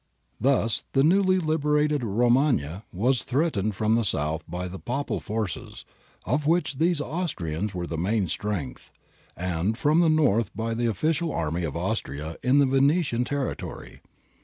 ^ Thus the newly liberated Romagna was threatened from the south by the Papal forces, of which these Austrians were the main strength, and from the north by the official army of Austria in the Venetian territory.